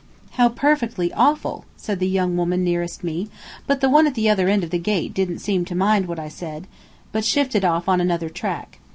"How perfectly awful!" said the young woman nearest me; but the one at the other end of the gate didn't seem to mind what I said, but shifted off on another track.